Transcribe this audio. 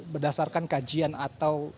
berdasarkan kajian atau